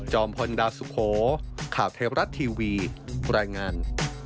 พลดาวสุโขข่าวเทวรัฐทีวีรายงาน